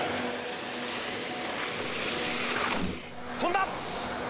飛んだ！